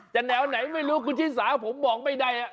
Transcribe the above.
แนวไหนไม่รู้คุณชิสาผมบอกไม่ได้นะ